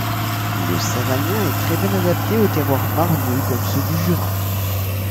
Le savagnin est très bien adapté aux terroirs marneux comme ceux du Jura.